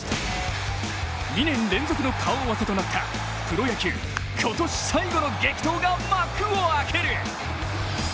２年連続の顔合わせとなったプロ野球、今年最後の激闘が幕を開ける。